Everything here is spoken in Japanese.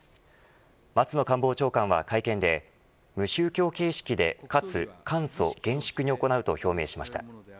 松野官房長官は会見で無宗教形式でかつ簡素厳粛に行うと表明しました。